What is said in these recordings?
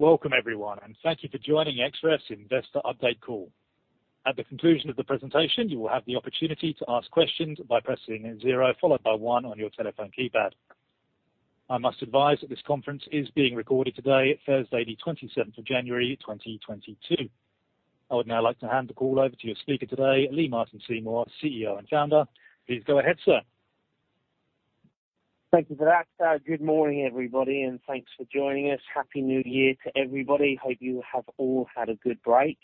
Welcome, everyone, and thank you for joining Xref's Investor Update call. At the conclusion of the presentation, you will have the opportunity to ask questions by pressing zero followed by one on your telephone keypad. I must advise that this conference is being recorded today, Thursday, the 27th of January, 2022. I would now like to hand the call over to your speaker today, Lee-Martin Seymour, CEO and Founder. Please go ahead, sir. Thank you for that. Good morning, everybody, and thanks for joining us. Happy New Year to everybody. Hope you have all had a good break.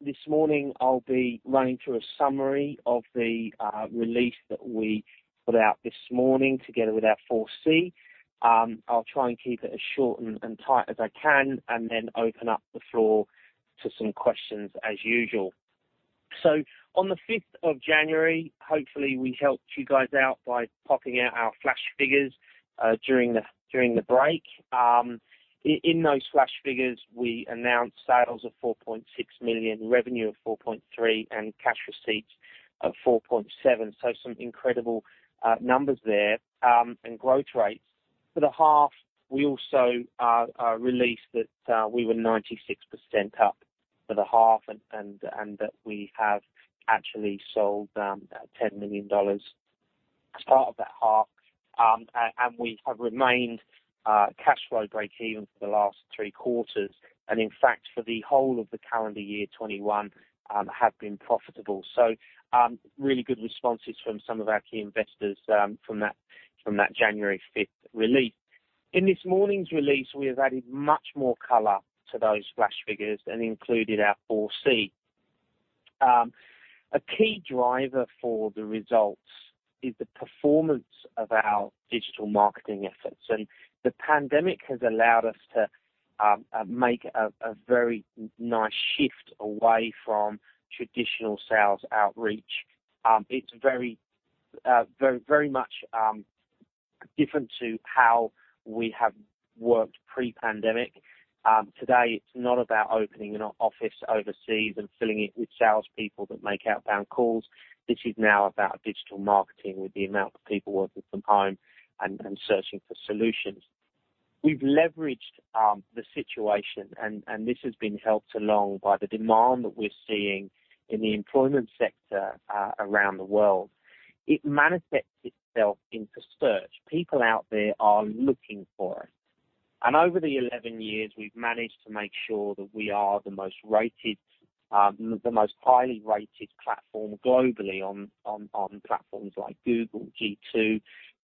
This morning I'll be running through a summary of the release that we put out this morning together with our 4C. I'll try and keep it as short and tight as I can, and then open up the floor to some questions as usual. On the 5th of January, hopefully we helped you guys out by popping out our flash figures during the break. In those flash figures, we announced sales of 4.6 million, revenue of 4.3 million and cash receipts of 4.7 million. Some incredible numbers there, and growth rates. For the half, we also released that we were 96% up for the half and that we have actually sold 10 million dollars as part of that half. We have remained cash flow breakeven for the last Q3. In fact, for the whole of the calendar year 2021, we have been profitable. Really good responses from some of our key investors from that January 5th release. In this morning's release, we have added much more color to those flash figures and included our 4C. A key driver for the results is the performance of our digital marketing efforts. The pandemic has allowed us to make a very nice shift away from traditional sales outreach. It's very much different to how we have worked pre-pandemic. Today it's not about opening an office overseas and filling it with salespeople that make outbound calls. This is now about digital marketing with the amount of people working from home and searching for solutions. We've leveraged the situation and this has been helped along by the demand that we're seeing in the employment sector around the world. It manifests itself into search. People out there are looking for us. Over the 11 years, we've managed to make sure that we are the most highly rated platform globally on platforms like Google, G2,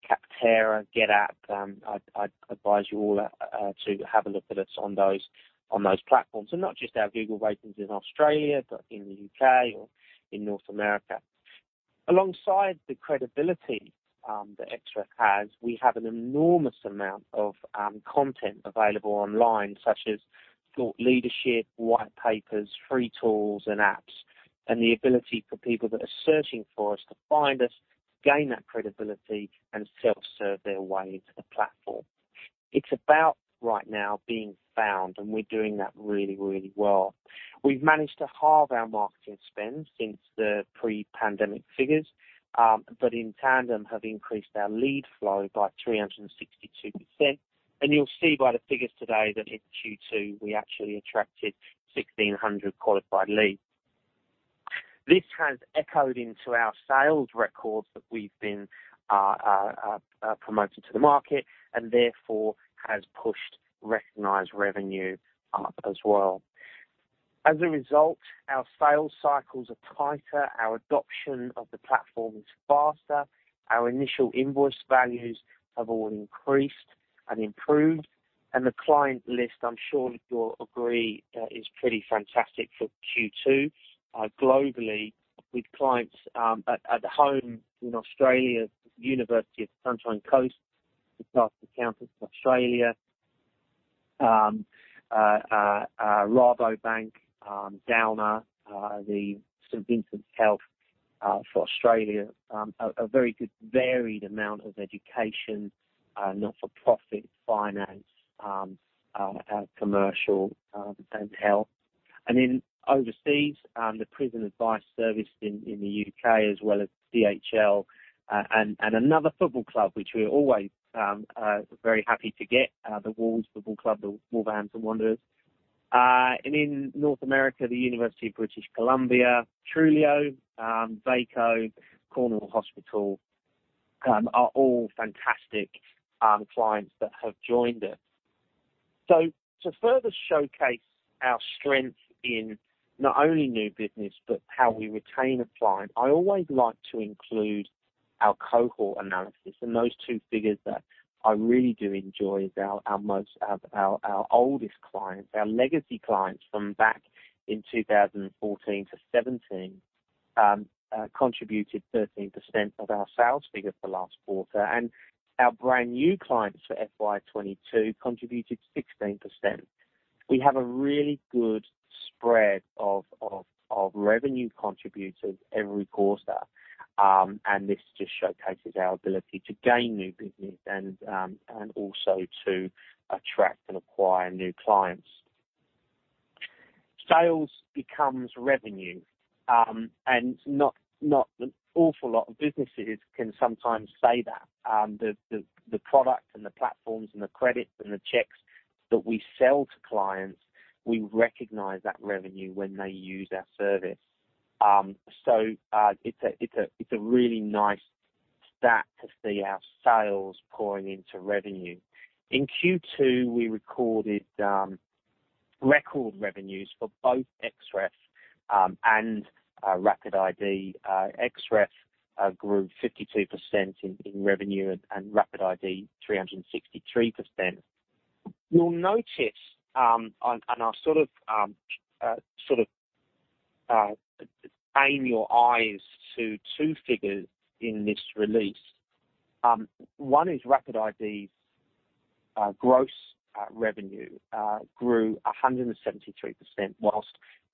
Capterra, GetApp. I advise you all to have a look at us on those platforms. Not just our Google ratings in Australia, but in the UK or in North America. Alongside the credibility that Xref has, we have an enormous amount of content available online, such as thought leadership, white papers, free tools and apps, and the ability for people that are searching for us to find us, gain that credibility, and self-serve their way into the platform. It's about right now being found, and we're doing that really, really well. We've managed to halve our marketing spend since the pre-pandemic figures, but in tandem have increased our lead flow by 362%. You'll see by the figures today that it's due to we actually attracted 1,600 qualified leads. This has echoed into our sales records that we've been promoting to the market and therefore has pushed recognized revenue up as well. As a result, our sales cycles are tighter, our adoption of the platform is faster, our initial invoice values have all increased and improved. The client list, I'm sure that you'll agree, is pretty fantastic for Q2. Globally with clients at home in Australia, University of the Sunshine Coast, Chartered Accountants Australia and New Zealand, Rabobank, Downer Group, St Vincent's Health Australia. A very good varied amount of education, not-for-profit finance, commercial, and health. Overseas, Prisoners' Advice Service in the UK, as well as DHL and another football club, which we're always very happy to get, the Wolves football club, the Wolverhampton Wanderers. In North America, the University of British Columbia, Trulioo, Baco, Cornwall Community Hospital are all fantastic clients that have joined us. To further showcase our strength in not only new business, but how we retain a client, I always like to include our cohort analysis. Those two figures that I really do enjoy is our most, our oldest clients, our legacy clients from back in 2014-2017 contributed 13% of our sales figures for last quarter. Our brand new clients for FY 2022 contributed 16%. We have a really good spread of revenue contributors every quarter. This just showcases our ability to gain new business and also to attract and acquire new clients. Sales becomes revenue, and not an awful lot of businesses can sometimes say that. The product and the platforms and the credits and the checks that we sell to clients, we recognize that revenue when they use our service. It's a really nice stat to see our sales pouring into revenue. In Q2, we recorded record revenues for both Xref and RapidID. Xref grew 52% in revenue and RapidID 363%. You'll notice. I'll sort of aim your eyes to two figures in this release. One is RapidID's gross revenue grew 173%, while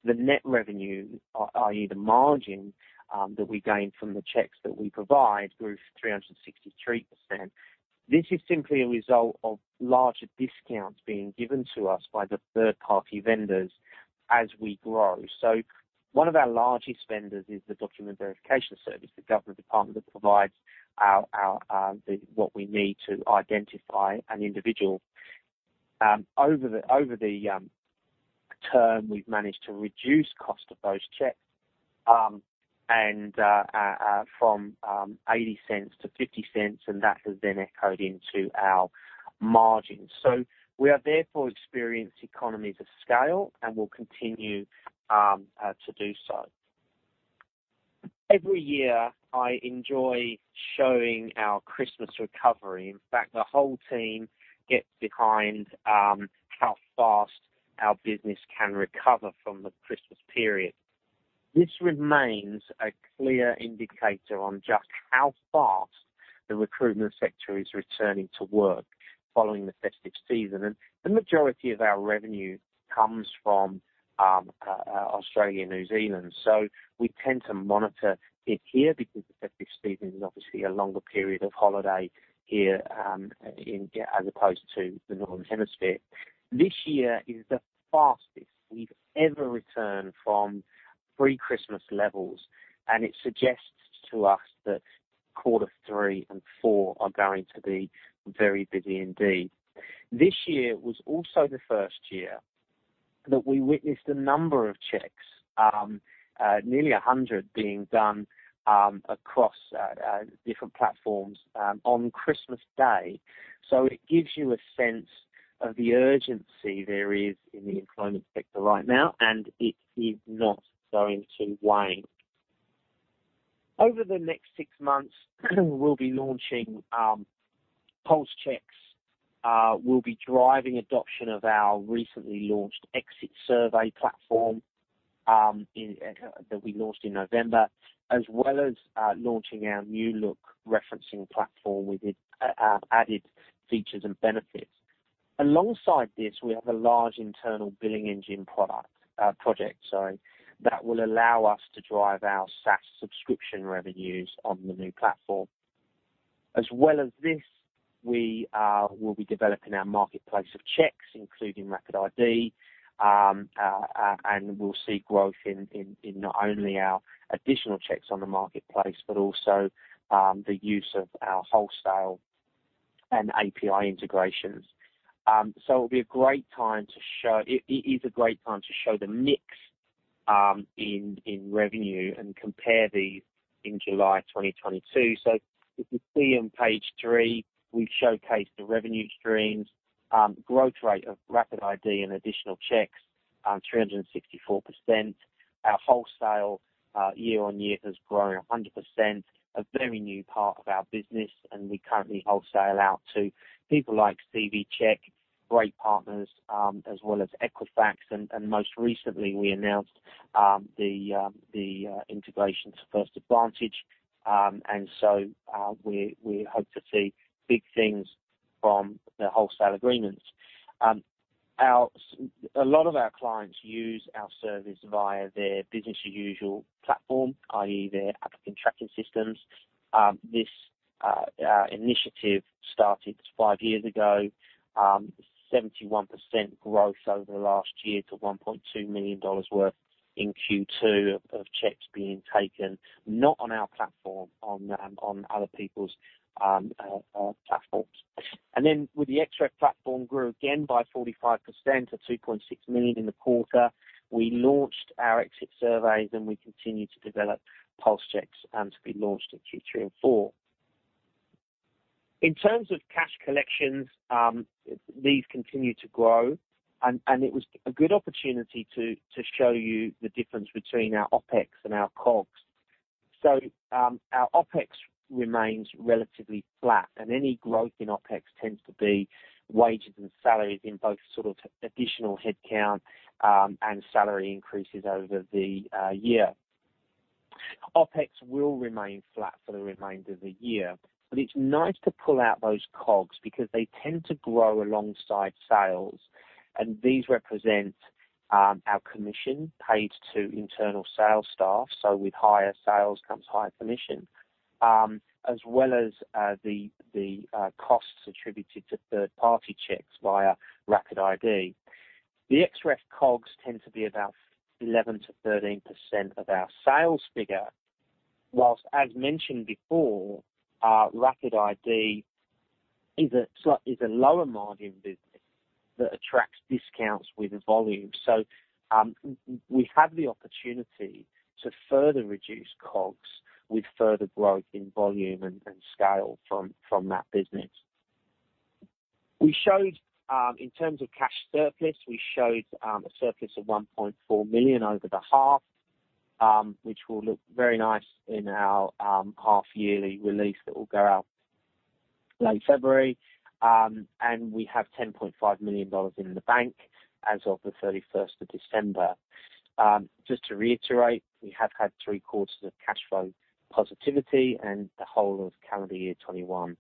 the net revenue, i.e. the margin, that we gained from the checks that we provide grew 363%. This is simply a result of larger discounts being given to us by the third-party vendors as we grow. One of our largest vendors is the Document Verification Service, the government department that provides what we need to identify an individual. Over the term, we've managed to reduce the cost of those checks from 0.80-0.50, and that has then echoed into our margins. We are therefore experiencing economies of scale and will continue to do so. Every year I enjoy showing our Christmas recovery. In fact, the whole team gets behind how fast our business can recover from the Christmas period. This remains a clear indicator on just how fast the recruitment sector is returning to work following the festive season. The majority of our revenue comes from Australia and New Zealand. We tend to monitor it here because the festive season is obviously a longer period of holiday here as opposed to the Northern Hemisphere. This year is the fastest we've ever returned from pre-Christmas levels, and it suggests to us that quarter three and four are going to be very busy indeed. This year was also the first year that we witnessed a number of checks nearly 100 being done across different platforms on Christmas Day. It gives you a sense of the urgency there is in the employment sector right now, and it is not going to wane. Over the next six months we'll be launching pulse checks, we'll be driving adoption of our recently launched exit survey platform that we launched in November, as well as launching our new look referencing platform with its added features and benefits. Alongside this, we have a large internal billing engine project that will allow us to drive our SaaS subscription revenues on the new platform. As well as this, we will be developing our marketplace of checks, including RapidID. We'll see growth in not only our additional checks on the marketplace, but also the use of our wholesale and API integrations. It is a great time to show the mix in revenue and compare these in July 2022. As you see on page three, we've showcased the revenue streams. Growth rate of RapidID and additional checks 364%. Our wholesale year-on-year has grown 100%, a very new part of our business, and we currently wholesale out to people like CVCheck, great partners, as well as Equifax. Most recently we announced the integration to First Advantage. We hope to see big things from the wholesale agreements. A lot of our clients use our service via their business as usual platform, i.e. their applicant tracking systems. This initiative started five years ago, 71% growth over the last year to 1.2 million dollars worth in Q2 of checks being taken, not on our platform, on other people's platforms. With the Xref platform grew again by 45% to 2.6 million in the quarter. We launched our Exit Surveys, and we continue to develop Pulse Surveys to be launched in Q3 and Q4. In terms of cash collections, these continue to grow and it was a good opportunity to show you the difference between our OpEx and our COGS. Our OpEx remains relatively flat, and any growth in OpEx tends to be wages and salaries in both sort of additional headcount and salary increases over the year. OpEx will remain flat for the remainder of the year, but it's nice to pull out those COGS because they tend to grow alongside sales, and these represent our commission paid to internal sales staff. With higher sales comes higher commission, as well as the costs attributed to third party checks via RapidID. The Xref COGS tend to be about 11%-13% of our sales figure. While as mentioned before, our RapidID is a lower margin business that attracts discounts with volume. We have the opportunity to further reduce COGS with further growth in volume and scale from that business. We showed in terms of cash surplus a surplus of 1.4 million over the half, which will look very nice in our half yearly release that will go out late February. We have 10.5 million dollars in the bank as of December 31st. Just to reiterate, we have had Q3 of cash flow positivity, and the whole of calendar year 2021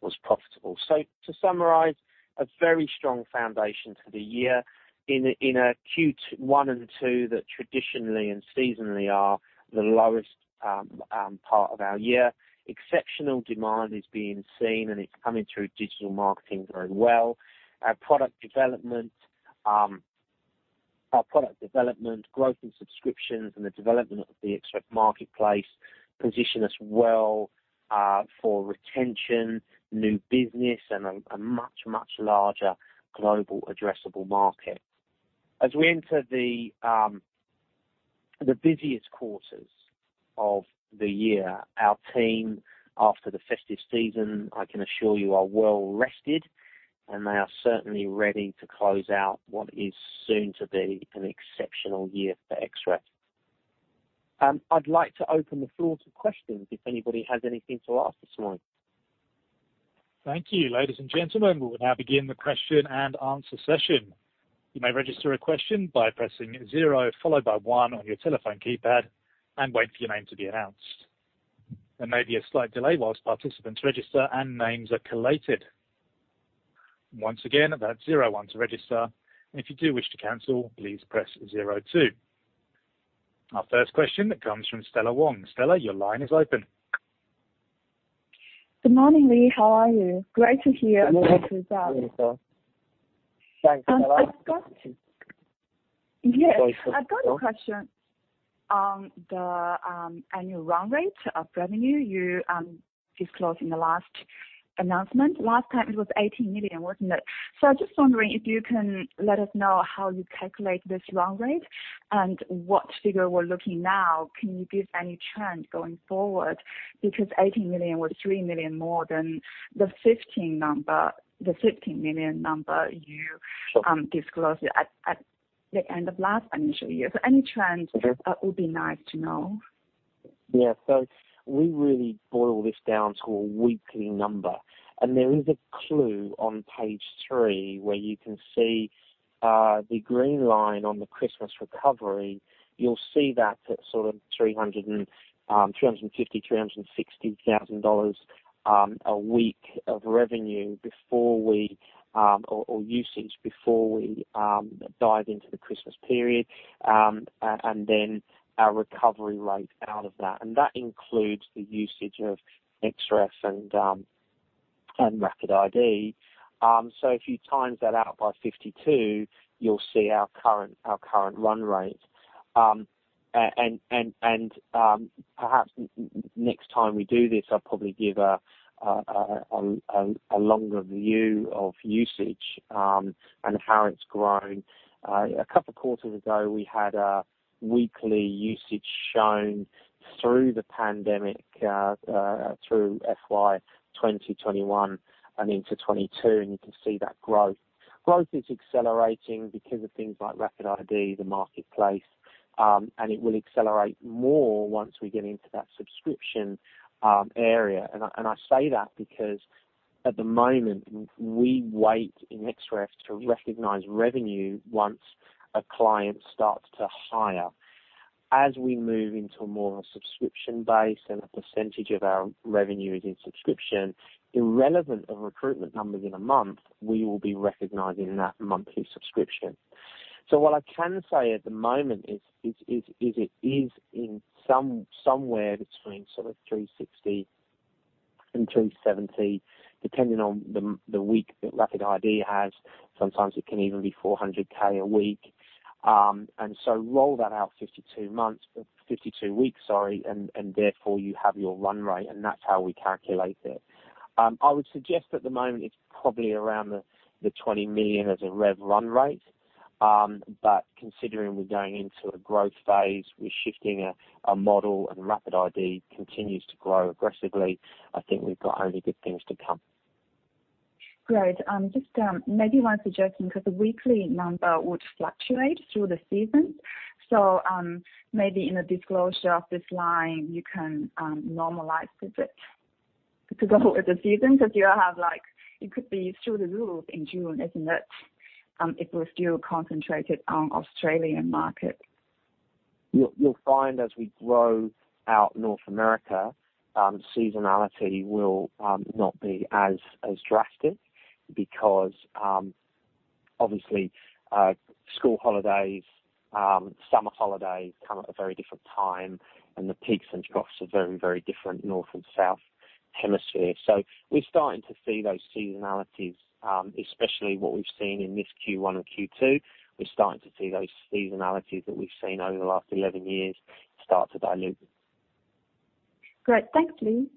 was profitable. To summarize, a very strong foundation for the year in Q1 and Q2 that traditionally and seasonally are the lowest part of our year. Exceptional demand is being seen, and it's coming through digital marketing very well. Our product development, growth in subscriptions and the development of the Xref marketplace position us well, for retention, new business and a much larger global addressable market. As we enter the busiest quarters of the year, our team, after the festive season, I can assure you, are well rested, and they are certainly ready to close out what is soon to be an exceptional year for Xref. I'd like to open the floor to questions if anybody has anything to ask this morning. Thank you. Ladies and gentlemen, we will now begin the question and answer session. Our 1st question comes from Stella Wong. Stella, your line is open. Good morning, Lee. How are you? Great to hear good results. Thanks, Stella. I've got a question on the annual run rate of revenue you disclosed in the last announcement. Last time it was 18 million, wasn't it? I'm just wondering if you can let us know how you calculate this run rate and what figure we're looking at now. Can you give any trend going forward? Because 18 million was 3 million more than the 15 million number you disclosed at the end of last financial year. Any trends- Yes. would be nice to know. Yeah. We really boil this down to a weekly number. There is a clue on page three where you can see the green line on the Christmas recovery. You'll see that at sort of 350 thousand-360 thousand dollars a week of revenue before we or usage before we dive into the Christmas period and then our recovery rate out of that. That includes the usage of Xref and RapidID. If you times that out by 52, you'll see our current run rate. Perhaps next time we do this, I'll probably give a longer view of usage and how it's grown. A couple of quarters ago, we had a weekly usage shown through the pandemic, through FY 2021 and into 2022, and you can see that growth. Growth is accelerating because of things like RapidID, the marketplace, and it will accelerate more once we get into that subscription area. I say that because at the moment we within Xref to recognize revenue once a client starts to hire. As we move into a more subscription base and a percentage of our revenue is in subscription, regardless of recruitment numbers in a month, we will be recognizing that monthly subscription. What I can say at the moment is it is somewhere between sort of 360,000 and 370,000, depending on the week that RapidID has. Sometimes it can even be 400,000 a week. Roll that out 52 months, or 52 weeks, sorry, and therefore you have your run rate, and that's how we calculate it. I would suggest at the moment it's probably around the 20 million as a rev run rate. But considering we're going into a growth phase, we're shifting a model and RapidID continues to grow aggressively, I think we've got only good things to come. Great. Just, maybe worth suggesting, because the weekly number would fluctuate through the season. Maybe in a disclosure of this line, you can normalize it to go with the season 'cause you have like it could be through the roof in June, isn't it? If we're still concentrated on Australian market. You'll find as we grow our North America, seasonality will not be as drastic because obviously school holidays, summer holidays come at a very different time, and the peaks and troughs are very different northern and southern hemispheres. We're starting to see those seasonality, especially with what we've seen in this Q1 and Q2. We're starting to see those seasonality that we've seen over the last 11 years start to dilute. Great. Thanks, Lee.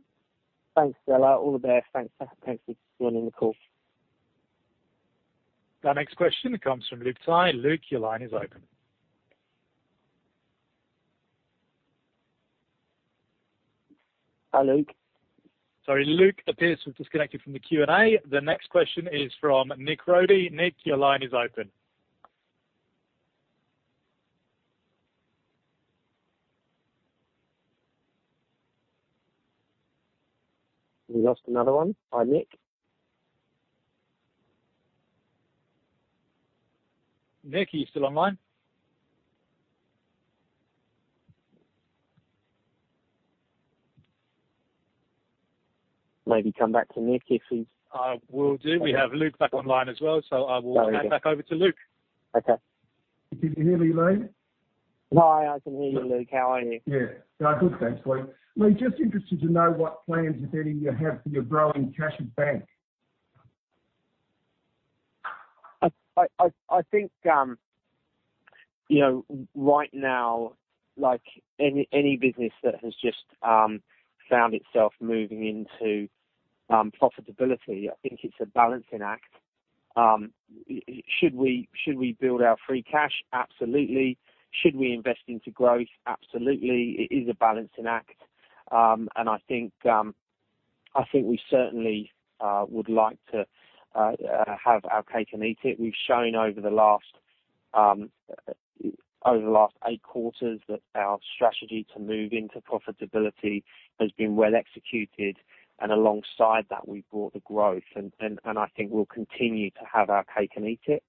Thanks, Stella. All the best. Thanks for joining the call. The next question comes from Luke Tsai. Luke, your line is open. Hi, Luke. Sorry, Luke appears to have disconnected from the Q&A. The next question is from Nick Brody. Nick, your line is open. We lost another one. Hi, Nick. Nick, are you still online? Maybe come back to Nick if he's. I will do. We have Luke back online as well. Sorry, Nick. I will hand back over to Luke. Okay. Can you hear me, Lee? Hi, I can hear you, Luke. How are you? Yeah, good, thanks, Lee. Lee, just interested to know what plans you have for your growing cash in bank. I think, you know, right now, like any business that has just found itself moving into profitability, I think it's a balancing act. Should we build our free cash? Absolutely. Should we invest into growth? Absolutely. It is a balancing act. I think we certainly would like to have our cake and eat it. We've shown over the last eight quarters that our strategy to move into profitability has been well executed, and alongside that, we've brought the growth and I think we'll continue to have our cake and eat it.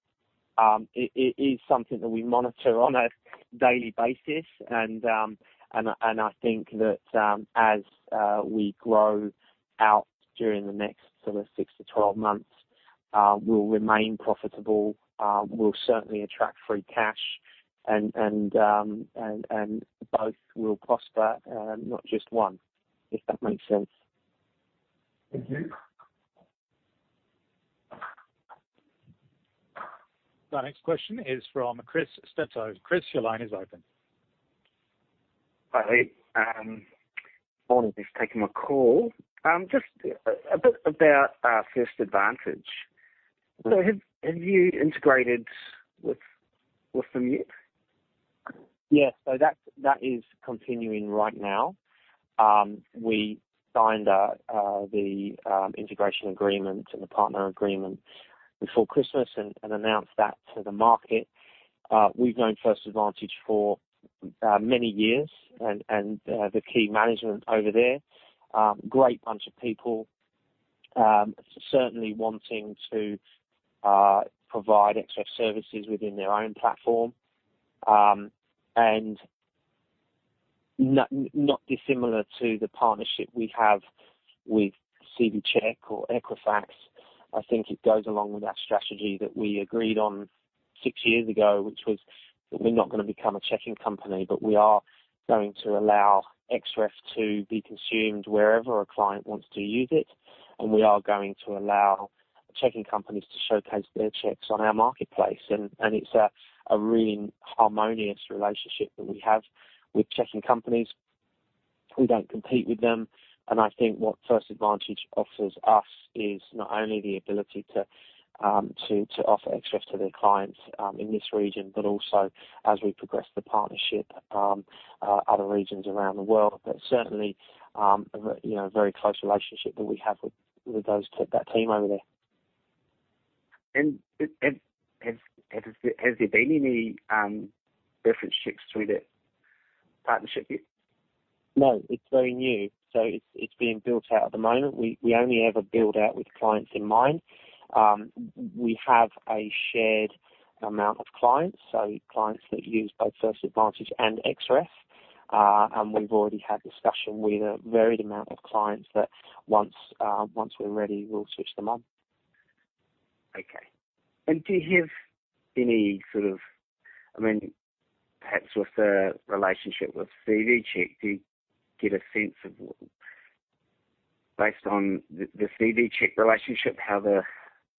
It is something that we monitor on a daily basis. I think that as we grow out during the next sort of six to 12 months, we'll remain profitable. We'll certainly attract free cash and both will prosper, not just one, if that makes sense. Thank you. The next question is from Chris Stetto. Chris, your line is open. Hi, Lee. Morning. Thanks for taking my call. Just a bit about First Advantage. Have you integrated with them yet? Yes. That is continuing right now. We signed the integration agreement and the partner agreement before Christmas and announced that to the market. We've known First Advantage for many years and the key management over there. Great bunch of people, certainly wanting to provide Xref services within their own platform. Not dissimilar to the partnership we have with CVCheck or Equifax. I think it goes along with our strategy that we agreed on six years ago, which was we're not gonna become a checking company, but we are going to allow Xref to be consumed wherever a client wants to use it, and we are going to allow checking companies to showcase their checks on our marketplace. It's a really harmonious relationship that we have with checking companies. We don't compete with them. I think what First Advantage offers us is not only the ability to offer Xref to their clients in this region, but also as we progress the partnership, other regions around the world. Certainly, you know, a very close relationship that we have with that team over there. Has there been any reference checks through that partnership yet? No, it's very new, so it's being built out at the moment. We only ever build out with clients in mind. We have a shared amount of clients, so clients that use both First Advantage and Xref. We've already had discussion with a varied amount of clients that once we're ready, we'll switch them on. Okay. Do you have any sort of, I mean, perhaps with the relationship with CVCheck, do you get a sense of based on the CVCheck relationship, how the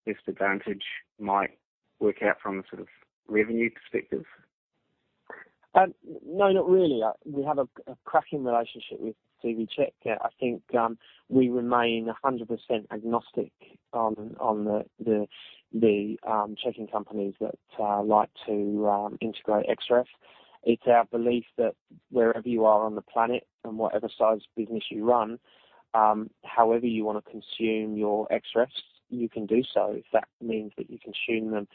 First Advantage might work out from a sort of revenue perspective? No, not really. We have a cracking relationship with CVCheck. I think we remain 100% agnostic on the checking companies that like to integrate Xref. It's our belief that wherever you are on the planet and whatever size business you run, however you wanna consume your Xrefs, you can do so. If that means that you consume them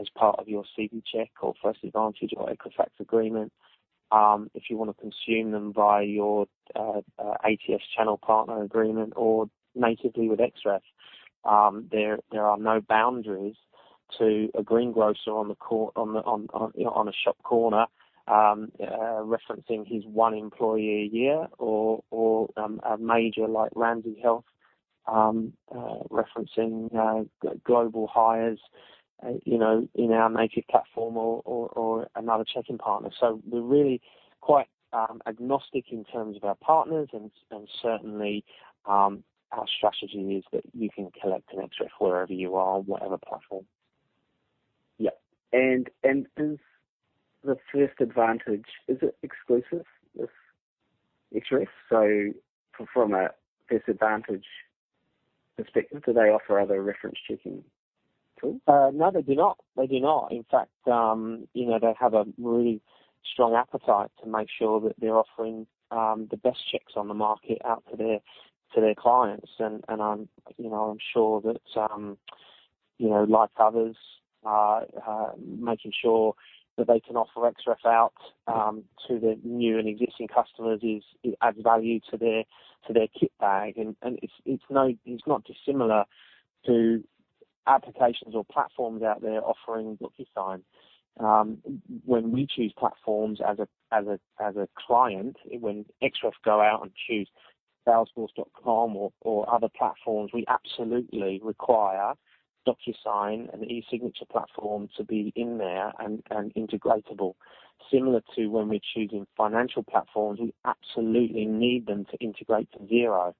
as part of your CVCheck or First Advantage or Equifax agreement, if you wanna consume them via your ATS channel partner agreement or natively with Xref, there are no boundaries to a greengrocer, you know, on a shop corner, referencing his one employee a year or a major like Ramsay Health Care referencing global hires, you know, in our native platform or another checking partner. We're really quite agnostic in terms of our partners and certainly our strategy is that you can collect an Xref wherever you are, whatever platform. Is the First Advantage exclusive with Xref? From a First Advantage perspective, do they offer other reference checking tools? No, they do not. In fact, you know, they have a really strong appetite to make sure that they're offering the best checks on the market out to their clients. I'm sure that, you know, like others, making sure that they can offer Xref out to their new and existing customers. It adds value to their kit bag. It's not dissimilar to applications or platforms out there offering Docusign. When we choose platforms as a client, when Xref go out and choose salesforce.com or other platforms, we absolutely require Docusign and the e-signature platform to be in there and integratable. Similar to when we're choosing financial platforms, we absolutely need them to integrate to Xero.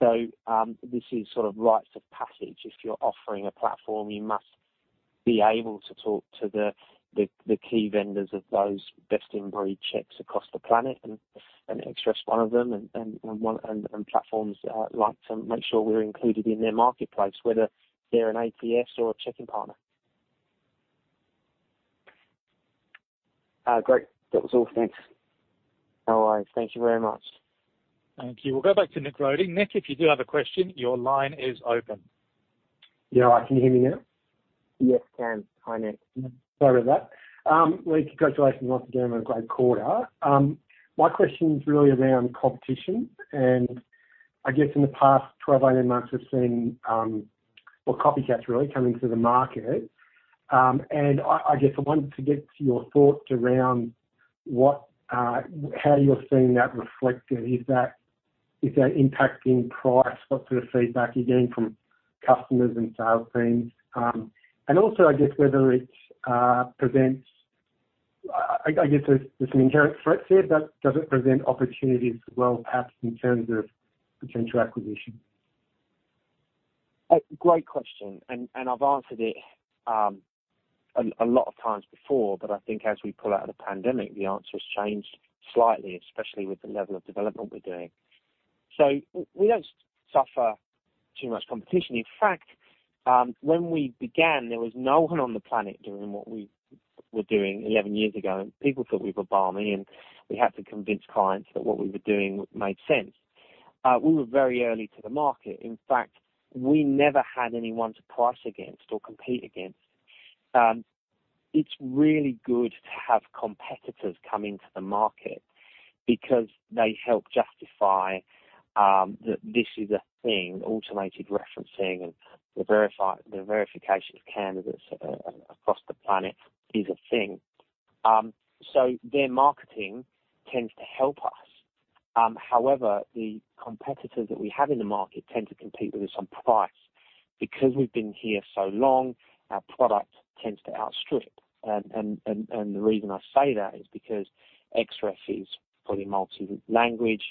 This is sort of rite of passage. If you're offering a platform, you must be able to talk to the key vendors of those best employee checks across the planet, and Xref's one of them. Platforms like to make sure we're included in their marketplace, whether they're an ATS or a checking partner. Great. That was all. Thanks. No worries. Thank you very much. Thank you. We'll go back to Nick Roding. Nick, if you do have a question, your line is open. Yeah. Can you hear me now? Yes, can. Hi, Nick. Sorry about that. Lee, congratulations once again on a great quarter. My question is really around competition and I guess in the past 12, 18 months we've seen, well copycats really coming to the market. I just wanted to get your thoughts around what, how you're seeing that reflected. Is that impacting price? What sort of feedback are you getting from customers and sales teams? Also, I guess whether it presents. I guess there's some inherent threat there, but does it present opportunities as well, perhaps in terms of potential acquisition? Great question. I've answered it a lot of times before, but I think as we pull out of the pandemic, the answer has changed slightly, especially with the level of development we're doing. We don't suffer too much competition. In fact, when we began, there was no one on the planet doing what we were doing 11 years ago, and people thought we were barmy and we had to convince clients that what we were doing made sense. We were very early to the market. In fact, we never had anyone to price against or compete against. It's really good to have competitors come into the market because they help justify that this is a thing, automated referencing and the verification of candidates across the planet is a thing. Their marketing tends to help us. However, the competitors that we have in the market tend to compete with us on price. Because we've been here so long, our product tends to outstrip. The reason I say that is because Xref is fully multi language,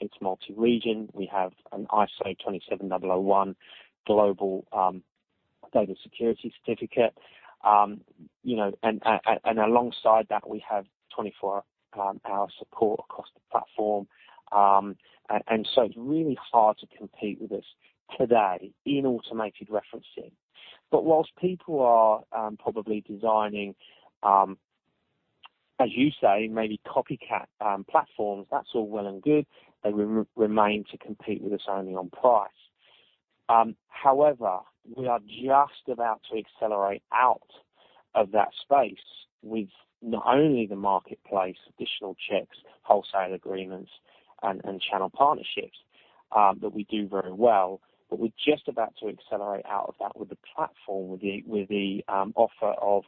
it's multi-region. We have an ISO 27001 global data security certificate. You know, and alongside that, we have 24-hour support across the platform. It's really hard to compete with us today in automated referencing. Whilst people are probably designing, as you say, maybe copycat platforms, that's all well and good. They remain to compete with us only on price. However, we are just about to accelerate out of that space with not only the marketplace, additional checks, wholesale agreements and channel partnerships that we do very well, but we're just about to accelerate out of that with the platform, with the offer of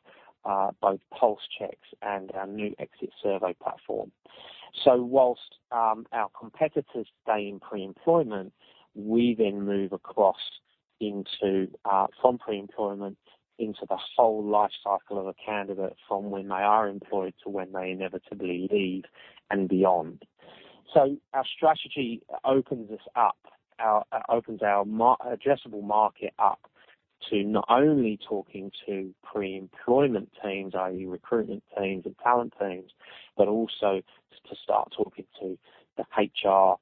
both Pulse Surveys and our new Exit Survey platform. While our competitors stay in pre-employment, we then move across into from pre-employment into the whole life cycle of a candidate from when they are employed to when they inevitably leave and beyond. Our strategy opens our addressable market up to not only talking to pre-employment teams, i.e. recruitment teams and talent teams, but also to start talking to the HR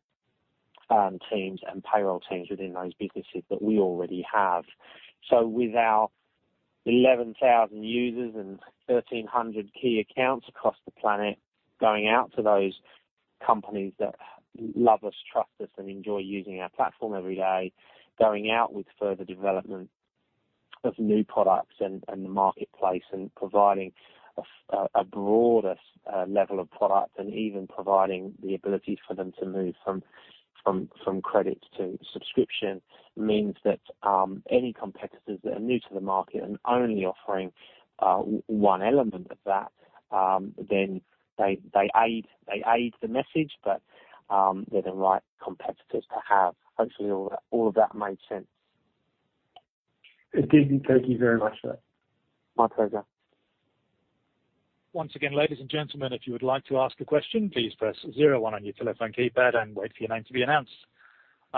teams and payroll teams within those businesses that we already have. With our 11,000 users and 1,300 key accounts across the planet, going out to those companies that love us, trust us, and enjoy using our platform every day, going out with further development of new products and the marketplace and providing a broader level of product and even providing the ability for them to move from credit to subscription means that any competitors that are new to the market and only offering one element of that, then they aid the message, but they're the right competitors to have. Hopefully all that made sense. It did. Thank you very much for that. My pleasure. Our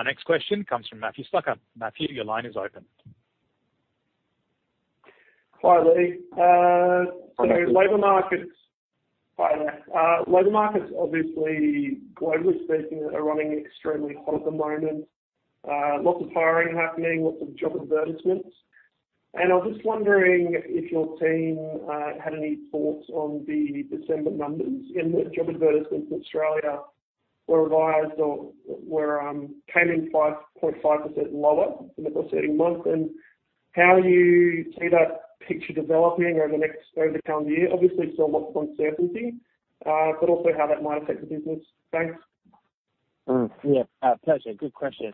next question comes from Matthew Stucker. Matthew, your line is open. Hi, Lee. Labor markets. Hi, Matt. Labor markets, obviously, globally speaking, are running extremely hot at the moment. Lots of hiring happening, lots of job advertisements. I was just wondering if your team had any thoughts on the December numbers in the job advertisements in Australia came in 5.5% lower than the preceding month, and how you see that picture developing over the coming year. Obviously, still lots of uncertainty, but also how that might affect the business. Thanks. Pleasure. Good question.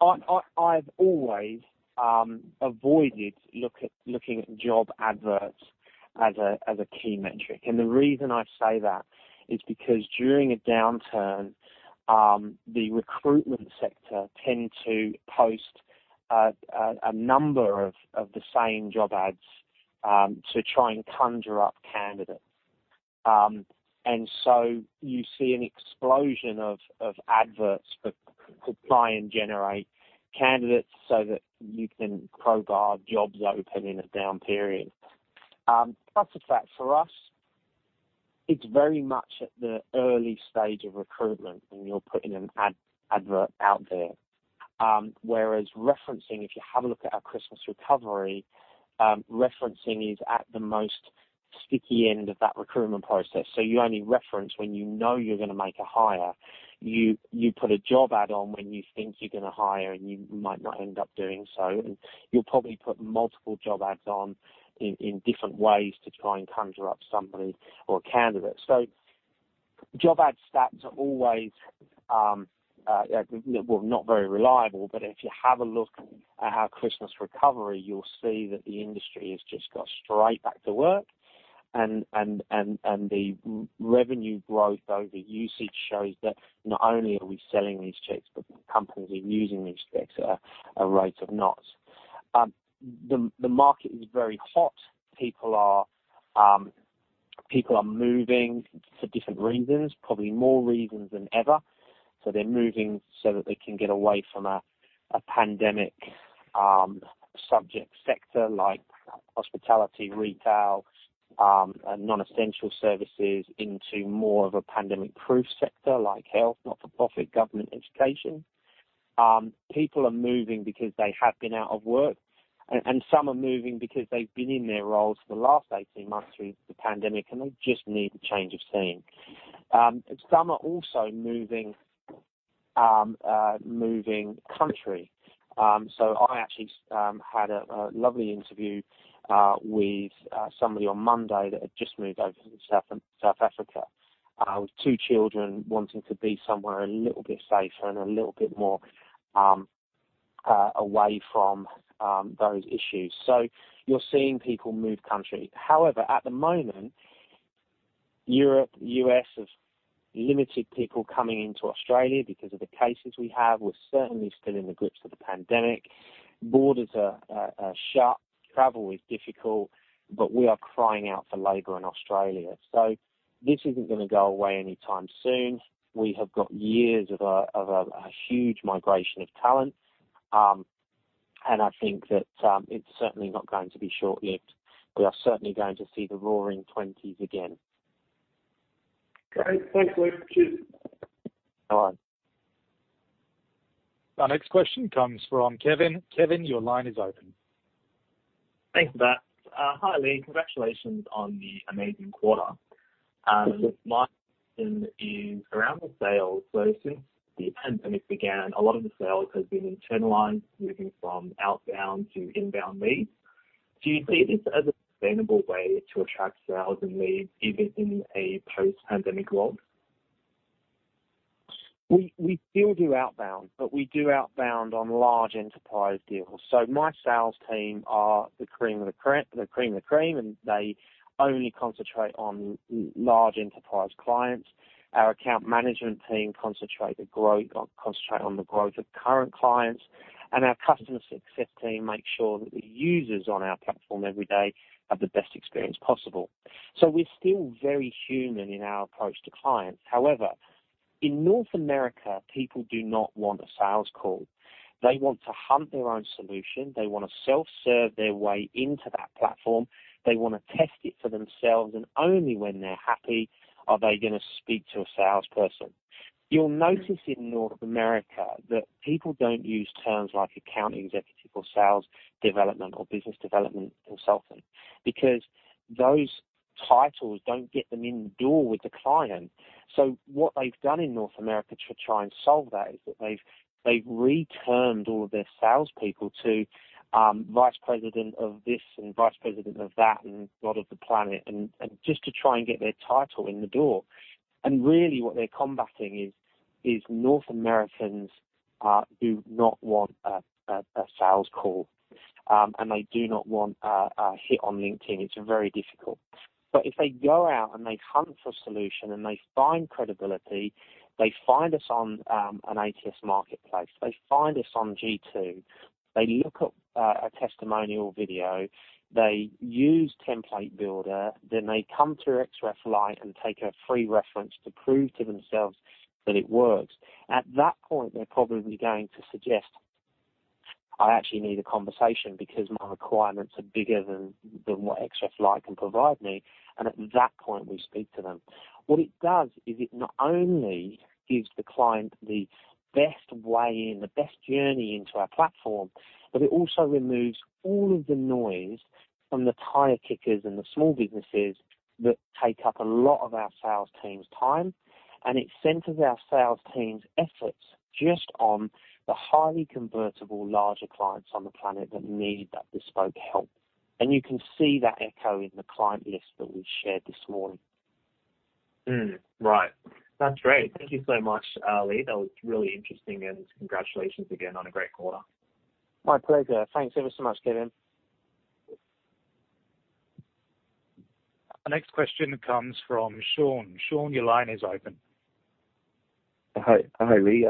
I've always avoided looking at job ads as a key metric. The reason I say that is because during a downturn, the recruitment sector tend to post a number of the same job ads to try and conjure up candidates. You see an explosion of ads to try and generate candidates so that you can prove you have jobs open in a down period. That's a fact for us. It's very much at the early stage of recruitment when you're putting an ad out there. Whereas referencing, if you have a look at our Christmas recovery, referencing is at the most sticky end of that recruitment process. You only reference when you know you're gonna make a hire. You put a job ad on when you think you're gonna hire, and you might not end up doing so. You'll probably put multiple job ads on in different ways to try and conjure up somebody or a candidate. Job ad stats are always, well, not very reliable. If you have a look at our Christmas recovery, you'll see that the industry has just got straight back to work. The revenue growth over usage shows that not only are we selling these checks, but companies are using these checks at a rate of knots. The market is very hot. People are moving for different reasons, probably more reasons than ever. They're moving so that they can get away from a pandemic subject sector like hospitality, retail, and non-essential services into more of a pandemic-proof sector like health, not-for-profit, government, education. People are moving because they have been out of work. Some are moving because they've been in their roles for the last 18 months through the pandemic, and they just need a change of scene. Some are also moving country. I actually had a lovely interview with somebody on Monday that had just moved over to South Africa with two children wanting to be somewhere a little bit safer and a little bit more away from those issues. You're seeing people move country. However, at the moment, Europe, US have limited people coming into Australia because of the cases we have. We're certainly still in the grips of the pandemic. Borders are shut. Travel is difficult. We are crying out for labor in Australia. This isn't gonna go away anytime soon. We have got years of a huge migration of talent. I think that it's certainly not going to be short-lived. We are certainly going to see the roaring twenties again. Great. Thanks, Lee. Cheers. All right. Our next question comes from Kevin. Kevin, your line is open. Thanks for that. Hi, Lee. Congratulations on the amazing quarter. My question is around the sales. Since the pandemic began, a lot of the sales have been internalized, moving from outbound to inbound leads. Do you see this as a sustainable way to attract sales and leads even in a post-pandemic world? We still do outbound, but we do outbound on large enterprise deals. My sales team are the cream of the cream, and they only concentrate on large enterprise clients. Our account management team concentrate on the growth of current clients. Our customer success team makes sure that the users on our platform every day have the best experience possible. We're still very human in our approach to clients. However, in North America, people do not want a sales call. They want to hunt their own solution. They wanna self-serve their way into that platform. They wanna test it for themselves. Only when they're happy are they gonna speak to a salesperson. You'll notice in North America that people don't use terms like account executive or sales development or business development consultant because those titles don't get them in the door with the client. What they've done in North America to try and solve that is that they've re-termed all of their salespeople to vice president of this and vice president of that and God of the planet and just to try and get their title in the door. Really what they're combating is North Americans do not want a sales call. They do not want a hit on LinkedIn. It's very difficult. If they go out and they hunt for solution and they find credibility, they find us on an ATS marketplace, they find us on G2, they look up a testimonial video, they use Template Builder, then they come to Xref Lite and take a free reference to prove to themselves that it works. At that point, they're probably going to suggest, "I actually need a conversation because my requirements are bigger than what Xref Lite can provide me." At that point, we speak to them. What it does is it not only gives the client the best way in, the best journey into our platform, but it also removes all of the noise from the tire kickers and the small businesses that take up a lot of our sales team's time, and it centers our sales team's efforts just on the highly convertible larger clients on the planet that need that bespoke help. You can see that echo in the client list that we've shared this morning. Right. That's great. Thank you so much, Lee. That was really interesting, and congratulations again on a great quarter. My pleasure. Thanks ever so much, Kevin. Our next question comes from Sean. Sean, your line is open. Hi. Hi, Lee.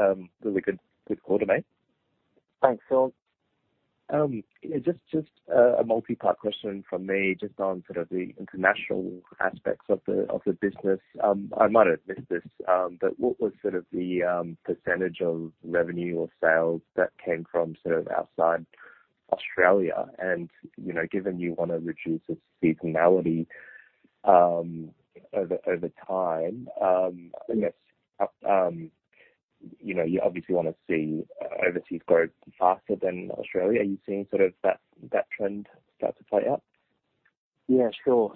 Really good quarter, mate. Thanks, Sean. Just a multi-part question from me just on sort of the international aspects of the business. I might have missed this, but what was sort of the percentage of revenue or sales that came from sort of outside Australia? You know, given you wanna reduce the seasonality over time, I guess you know, you obviously wanna see overseas growth faster than Australia. Are you seeing sort of that trend start to play out? Yeah, sure.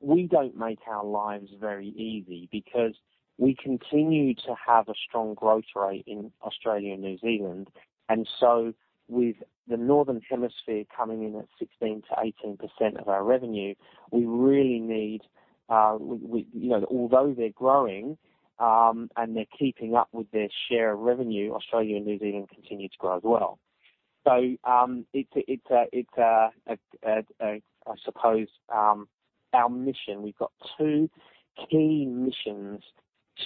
We don't make our lives very easy because we continue to have a strong growth rate in Australia and New Zealand. With the Northern Hemisphere coming in at 16%-18% of our revenue, we really need. You know, although they're growing and they're keeping up with their share of revenue, Australia and New Zealand continue to grow as well. It's our mission, I suppose. We've got two key missions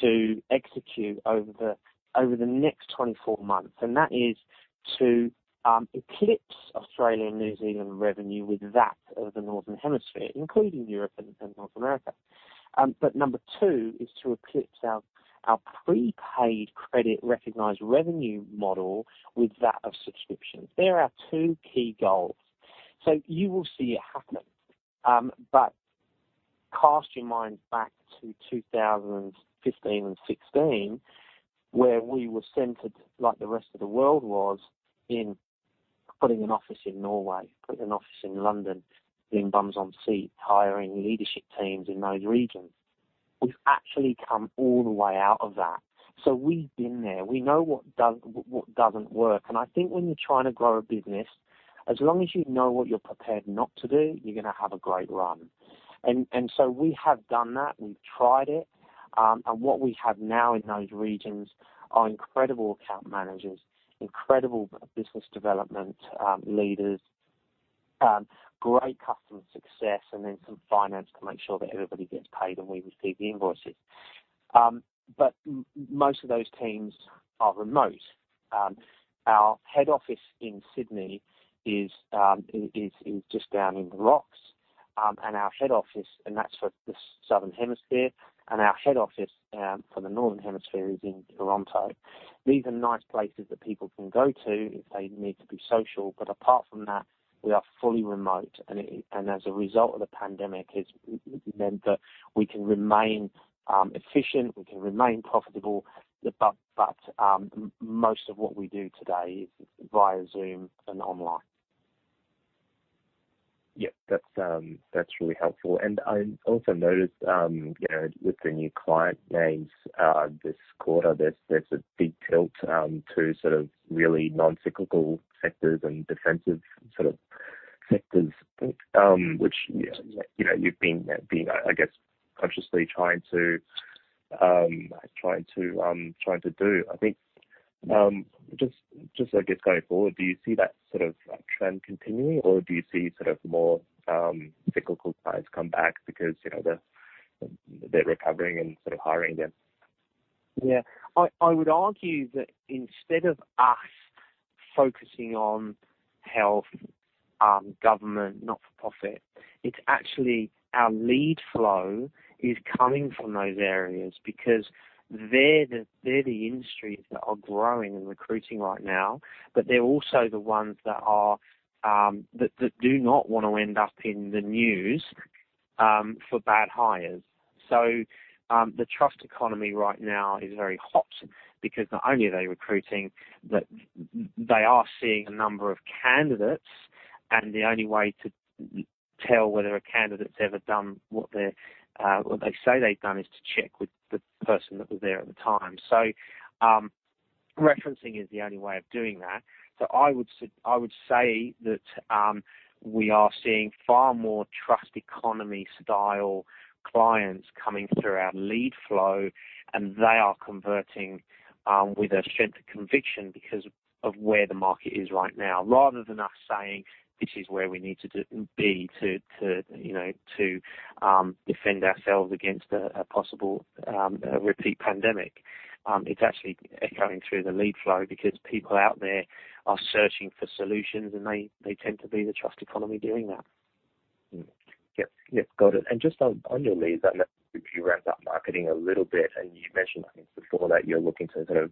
to execute over the next 24 months, and that is to eclipse Australia and New Zealand revenue with that of the Northern Hemisphere, including Europe and North America. Number two is to eclipse our prepaid credit recognized revenue model with that of subscriptions. They're our two key goals. You will see it happen. Cast your mind back to 2015 and 2016, where we were centered like the rest of the world was in putting an office in Norway, putting an office in London, being bums on seats, hiring leadership teams in those regions. We've actually come all the way out of that. We've been there. We know what works, what doesn't work. I think when you're trying to grow a business, as long as you know what you're prepared not to do, you're gonna have a great run. We have done that. We've tried it. What we have now in those regions are incredible account managers, incredible business development leaders, great customer success, and then some finance to make sure that everybody gets paid and we receive the invoices. Most of those teams are remote. Our head office in Sydney is just down in The Rocks. That's for the Southern Hemisphere. Our head office for the Northern Hemisphere is in Toronto. These are nice places that people can go to if they need to be social. Apart from that, we are fully remote. As a result of the pandemic, it's meant that we can remain efficient. We can remain profitable. Most of what we do today is via Zoom and online. Yeah. That's really helpful. I also noticed, you know, with the new client names, this quarter, there's a big tilt to sort of really non-cyclical sectors and defensive sort of sectors, which, you know, you've been, I guess, consciously trying to do. I think, just, I guess, going forward, do you see that sort of trend continuing, or do you see sort of more cyclical clients come back because, you know, they're recovering and sort of hiring again? Yeah. I would argue that instead of us focusing on health, government, not-for-profit, it's actually our lead flow is coming from those areas because they're the industries that are growing and recruiting right now, but they're also the ones that do not wanna end up in the news for bad hires. The trust economy right now is very hot because not only are they recruiting, but they are seeing a number of candidates, and the only way to tell whether a candidate's ever done what they say they've done is to check with the person that was there at the time. Referencing is the only way of doing that. I would say that we are seeing far more trust economy style clients coming through our lead flow, and they are converting with a strength of conviction because of where the market is right now. Rather than us saying, This is where we need to be to, you know, to defend ourselves against a possible repeat pandemic. It's actually echoing through the lead flow because people out there are searching for solutions, and they tend to be the trust economy doing that. Yep. Got it. Just on your leads, I know you ramped up marketing a little bit, and you mentioned, I think before that you're looking to sort of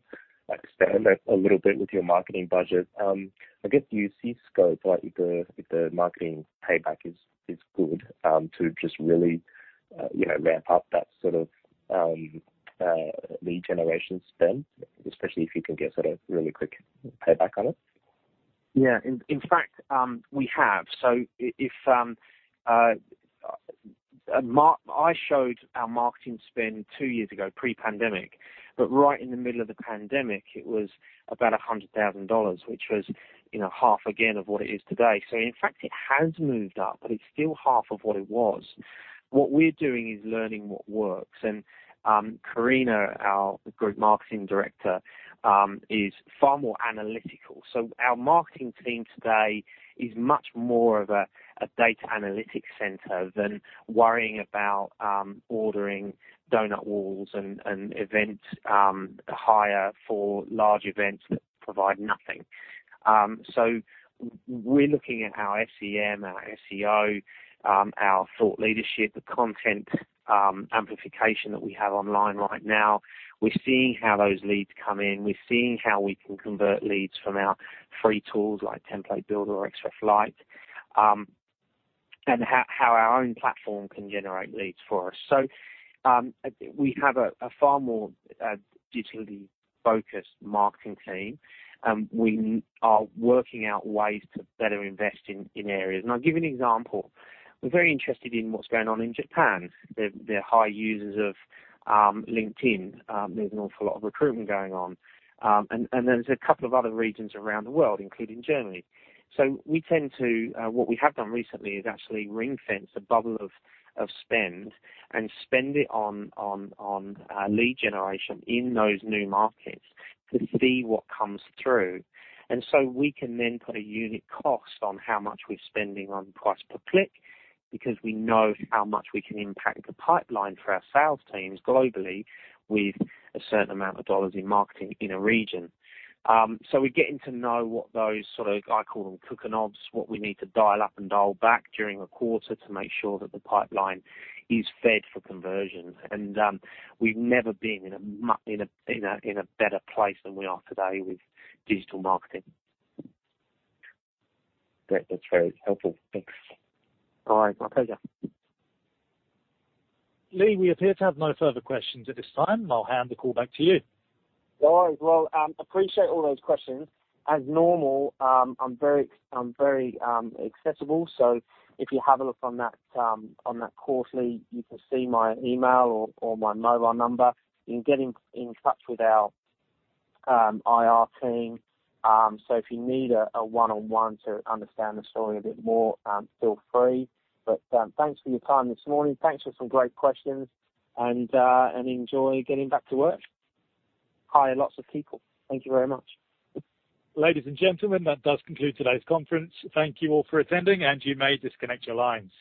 like expand that a little bit with your marketing budget. I guess, do you see scope, like if the marketing payback is good, to just really, you know, ramp up that sort of lead generation spend, especially if you can get sort of really quick payback on it? Yeah. In fact, we have. If I showed our marketing spend two years ago pre-pandemic, but right in the middle of the pandemic it was about 100,000 dollars, which was, you know, half again of what it is today. In fact, it has moved up, but it's still half of what it was. What we are doing is learning what works. Karina, our Group Marketing Director, is far more analytical. Our marketing team today is much more of a data analytics center than worrying about ordering donut walls and event hire for large events that provide nothing. We're looking at our SEM, our SEO, our thought leadership, the content amplification that we have online right now. We're seeing how those leads come in. We're seeing how we can convert leads from our free tools like Template Builder or Xref Lite. How our own platform can generate leads for us. We have a far more digitally focused marketing team. We are working out ways to better invest in areas. I'll give you an example. We're very interested in what's going on in Japan. They're high users of LinkedIn. There's an awful lot of recruitment going on. There's a couple of other regions around the world, including Germany. We tend to what we have done recently is actually ring-fence a bubble of spend and spend it on lead generation in those new markets to see what comes through. We can then put a unit cost on how much we're spending on price per click because we know how much we can impact the pipeline for our sales teams globally with a certain amount of AUD in marketing in a region. We're getting to know what those sort of, I call them knobs and dials, what we need to dial up and dial back during a quarter to make sure that the pipeline is fed for conversion. We've never been in a better place than we are today with digital marketing. Great. That's very helpful. Thanks. All right. My pleasure. Lee, we appear to have no further questions at this time. I'll hand the call back to you. All right. Well, appreciate all those questions. As normal, I'm very accessible. If you have a look on that quarterly, you can see my email or my mobile number. You can get in touch with our IR team. If you need a one-on-one to understand the story a bit more, feel free. Thanks for your time this morning. Thanks for some great questions and enjoy getting back to work. Hire lots of people. Thank you very much. Ladies and gentlemen, that does conclude today's conference. Thank you all for attending, and you may disconnect your lines.